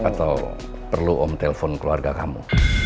atau perlu om telpon keluarga kamu